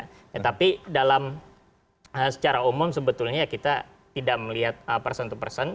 ya tapi dalam secara umum sebetulnya ya kita tidak melihat person to person